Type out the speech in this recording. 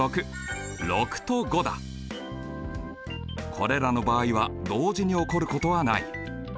これらの場合は同時に起こることはない。